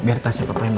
biar tasnya papa bawa